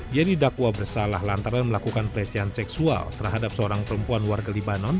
ia didakwa bersalah lantaran melakukan pelecehan seksual terhadap seorang perempuan warga libanon